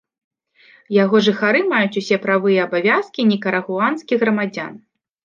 Яго жыхары маюць усе правы і абавязкі нікарагуанскіх грамадзян.